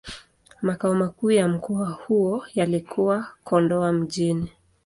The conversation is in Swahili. Makao makuu ya mkoa huo yalikuwa Kondoa Mjini.